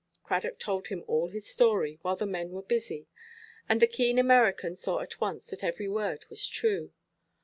Cradock told him all his story, while the men were busy; and the keen American saw at once that every word was true.